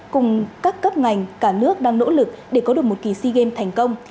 cùng các cấp ngành cả nước đang nỗ lực để có được một kỳ sea games thành công